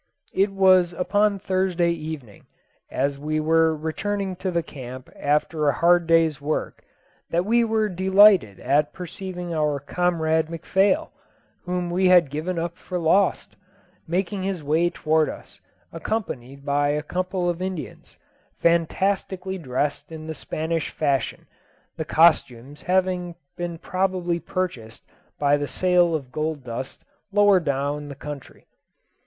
It was upon Thursday evening, as we were returning to the camp after a hard day's work, that we were delighted at perceiving our comrade McPhail, whom we had given up for lost, making his way towards us, accompanied by a couple of Indians, fantastically dressed in the Spanish fashion, the costumes having been probably purchased by the sale of gold dust lower down the country.